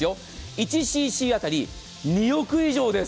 １ｃｃ当たり２億以上です。